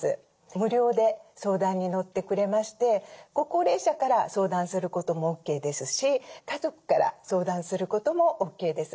無料で相談に乗ってくれましてご高齢者から相談することもＯＫですし家族から相談することもＯＫです。